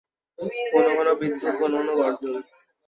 ঘন ঘন বিদ্যুৎ, ঘন ঘন গর্জন।